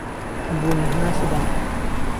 کەمبوونی هەناسەدان